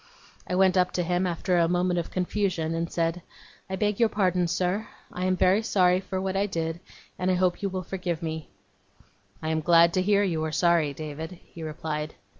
I went up to him, after a moment of confusion, and said: 'I beg your pardon, sir. I am very sorry for what I did, and I hope you will forgive me.' 'I am glad to hear you are sorry, David,' he replied.